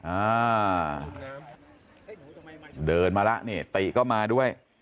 อ่าเดินมาแล้วนี่ติก็มาด้วย